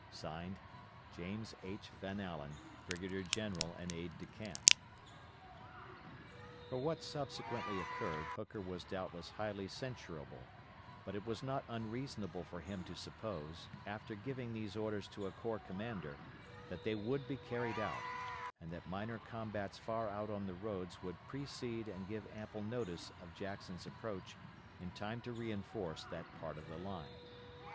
(Signed) JAMES H. VAN ALLEN, Brigadier General and Aide de camp. For what subsequently occurred Hooker was doubtless highly censurable, but it was not unreasonable for him to suppose, after giving these orders to a corps commander, that they would be carried out, and that minor combats far out on the roads would precede and give ample notice of Jackson's approach in time to reinforce that part of the line.